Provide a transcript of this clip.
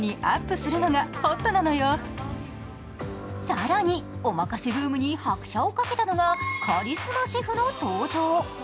更に、おまかせブームに拍車をかけたのがカリスマシェフの登場。